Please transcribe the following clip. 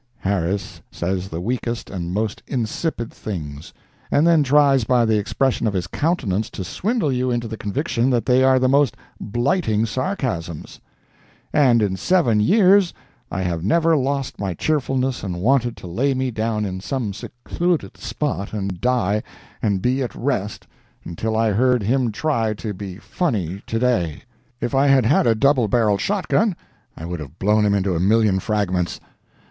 Harris says the weakest and most insipid things, and then tries by the expression of his countenance to swindle you into the conviction that they are the most blighting sarcasms. And in seven years I have never lost my cheerfulness and wanted to lay me down in some secluded spot and die, and be at rest, until I heard him try to be funny to day. If I had had a double barreled shotgun I would have blown him into a million fragments.